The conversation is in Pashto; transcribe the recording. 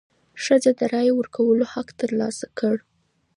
ښځو د رایې ورکولو حق تر لاسه کړ.